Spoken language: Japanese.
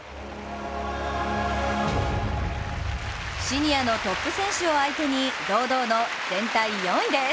シニアのトップ選手を相手に堂々の全体４位です。